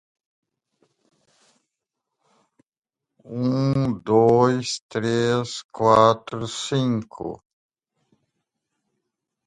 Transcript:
unitário, unívoca, posicional, vara, vazio, percorrida, fórmula, calcular